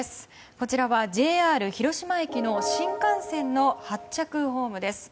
こちらはＪＲ広島駅の新幹線の発着ホームです。